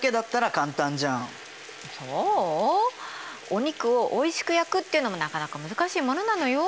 お肉をおいしく焼くっていうのもなかなか難しいものなのよ。